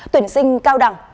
tuyển sinh cao đẳng